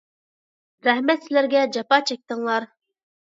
رەھمەت سىلەرگە، جاپا چەكتىڭلار!